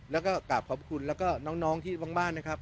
แล้วก็กราบขอบคุณแล้วก็น้องที่บางบ้านนะครับ